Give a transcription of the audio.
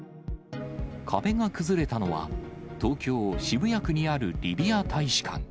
壁が崩れたのは、東京・渋谷区にあるリビア大使館。